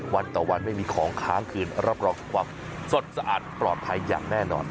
วันต่อวันไม่มีของค้างคืนรับรองความสดสะอาดปลอดภัยอย่างแน่นอน